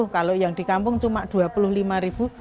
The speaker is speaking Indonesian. kalau yang di kampung cuma dua puluh lima ribu